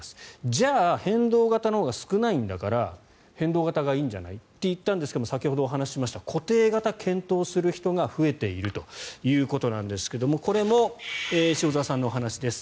じゃあ、変動型のほうが少ないんだから変動型がいいんじゃないって言ったんですが先ほどお話ししました固定型を検討する人が増えているということなんですがこれも塩澤さんのお話です。